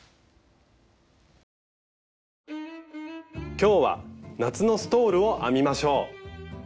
今日は夏のストールを編みましょう。